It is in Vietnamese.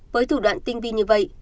với thủ đoạn tinh vi như vậy